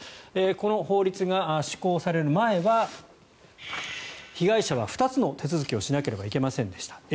この法律が施行される前は被害者は２つの手続きをしなければいけませんでした。